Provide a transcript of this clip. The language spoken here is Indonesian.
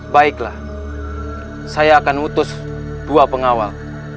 baiklah saya akan utus dua pengawal